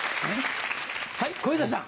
はい小遊三さん。